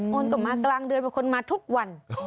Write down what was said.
คนก็มากลางเดือนบางคนมาทุกวัน